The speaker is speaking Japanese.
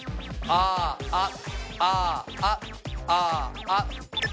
あーあっ。